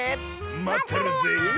まってるぜえ。